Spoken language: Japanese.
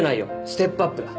ステップアップだ。